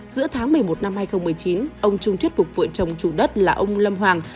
giữa tháng một mươi một năm hai nghìn một mươi chín ông trung thuyết phục vợ chồng chủ đất là ông lâm hoàng